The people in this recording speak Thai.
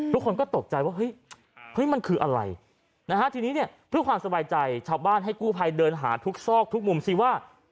ทุกคนก็ตกใจว่าเฮ้ยมันคืออะไรนะฮะทีนี้เนี่ยเพื่อความสบายใจชาวบ้านให้กู้ภัยเดินหาทุกซอกทุกมุมสิว่า